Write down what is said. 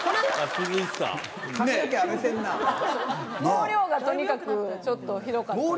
毛量がとにかくちょっとひどかった。